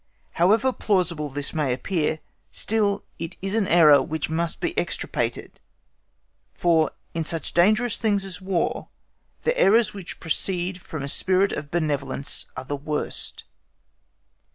However plausible this may appear, still it is an error which must be extirpated; for in such dangerous things as War, the errors which proceed from a spirit of benevolence are the worst.